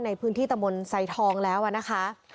ในพื้นที่ตะมนต์ไซทองแล้วนะคะ